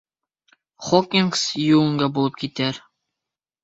Хокинс юнга булып китер...